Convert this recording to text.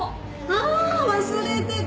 ああ忘れてた！